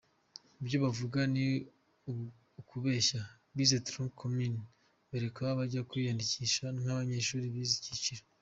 Ibyo bavuga ni ukubeshya bize Tronc Commun barekeraho bajya kwiyandikisha nk’abanyeshuri bize icyiciro.